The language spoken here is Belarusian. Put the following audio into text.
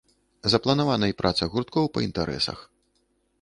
Запланавана і праца гурткоў па інтарэсах.